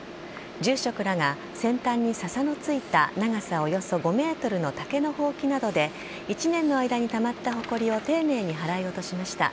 住職らが先端にささの付いた長さおよそ５メートルの竹のほうきなどで１年の間にたまったほこりを丁寧に払い落としました。